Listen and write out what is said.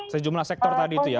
sejumlah sektor tadi itu ya